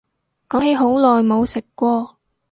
講起好耐冇食過